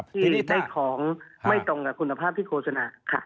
ที่ได้ของไม่ตรงกับคุณภาพที่โฆษณาค่ะ